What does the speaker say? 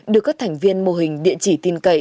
được các thành viên mô hình địa chỉ tin cậy